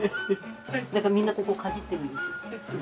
だからみんなここかじってるんですよ。